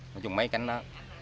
nói chung mấy cánh đó